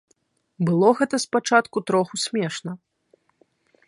Было гэта спачатку троху смешна.